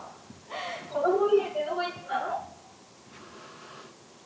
「子供みるってどこ行ってたの？」